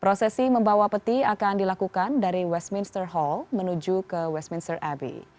prosesi membawa peti akan dilakukan dari westminster hall menuju ke westminster abbey